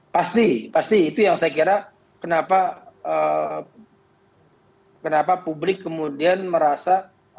pasti pasti itu yang saya kira kenapa publik kemudian merasa